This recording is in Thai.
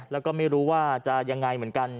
แล้วก็ไม่รู้ว่าจะยังไงเหมือนกัน